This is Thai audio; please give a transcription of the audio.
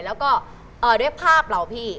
แล้วก็ด้วยภาพเราพี่